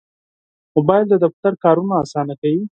موبایل د دفتر کارونه اسانه کوي.